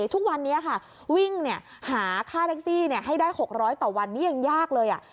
ทุกวันเนี่ยค่ะวิ่งเนี่ยหาค่าแท็กซี่เนี่ยให้ได้หกร้อยต่อวันนี้ยังยากเลยอ่ะ